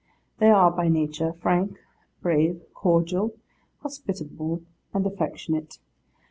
They are, by nature, frank, brave, cordial, hospitable, and affectionate.